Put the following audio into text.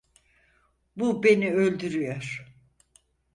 Bu beni öldürüyor.